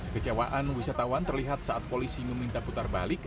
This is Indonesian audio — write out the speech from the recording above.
kecewaan wisatawan terlihat saat polisi meminta putar balik